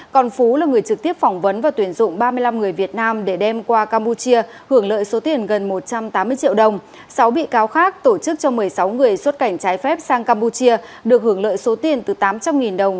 còn phú là người trực tiếp phỏng vấn và tuyển dụng ba mươi năm người việt nam để đem qua campuchia hưởng lợi số tiền gần một trăm tám mươi triệu đồng